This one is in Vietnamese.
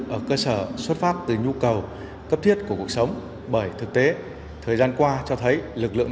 ở cơ sở xuất phát từ nhu cầu cấp thiết của cuộc sống bởi thực tế thời gian qua cho thấy lực lượng